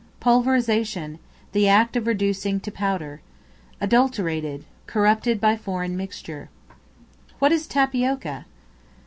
Pulverization, the act of reducing to powder. Adulterated, corrupted by foreign mixture. What is Tapioca?